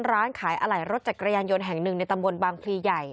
ร้านขายอะไหล่รถจักรยานยนต์แห่งหนึ่งในตำบลบางพลีใหญ่